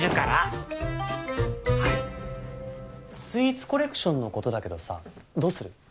『スイーツコレクション』の事だけどさどうする？